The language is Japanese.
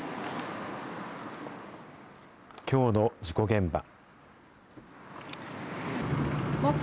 きょうの事故現場。